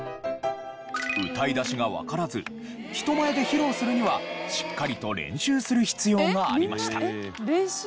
歌い出しがわからず人前で披露するにはしっかりと練習する必要がありました。